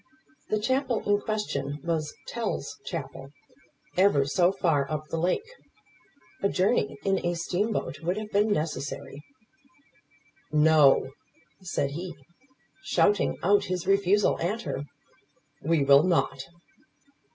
The chapel in question was Tell's chapel ever so far up the lake. A journey in a steam boat would have been necessary. "No!" said he, shouting out his refusal at her. "We will not."